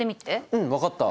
うん分かった。